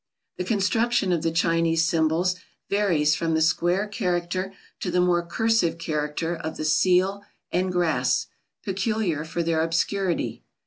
The construction of the Chinese symbols varies from the square character to the more cursive character of the Seal and Grass, peculiar for their obscurity.